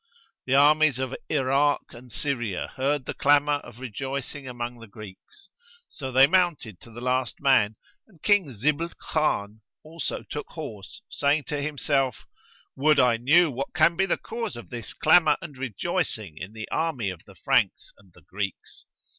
The armies of Irak and Syria heard the clamour of rejoicing among the Greeks; so they mounted to the last man, and King Zibl Khan also took horse saying to himself, "Would I knew what can be the cause of this clamour and rejoicing in the army of the Franks and the Greeks!"